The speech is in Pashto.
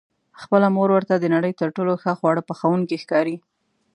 خپله مور ورته د نړۍ تر ټولو ښه خواړه پخوونکې ښکاري.